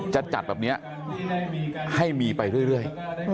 จะจัดแบบนี้ให้มีไปเรื่อย